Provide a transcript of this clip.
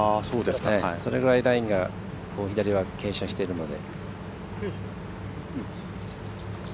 それぐらいラインが左は傾斜しているので。